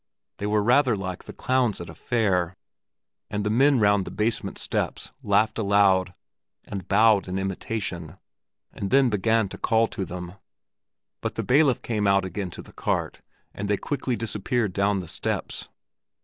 They were rather like the clowns at a fair, and the men round the basement steps laughed aloud and bowed in imitation, and then began to call to them; but the bailiff came out again to the cart, and they quickly disappeared down the steps.